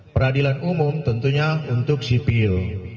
peradilan umum tentunya untuk sipil